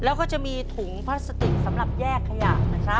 แล้วก็จะมีถุงพลาสติกสำหรับแยกขยะนะครับ